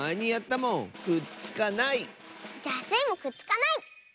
じゃあスイもくっつかない！